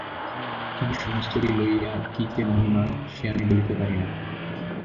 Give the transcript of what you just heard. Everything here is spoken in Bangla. কিন্তু, সমস্তটি লইয়া কী যে মহিমা সে আমি বলিতে পারি না।